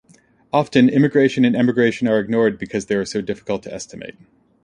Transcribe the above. Often, immigration and emigration are ignored because they are so difficult to estimate.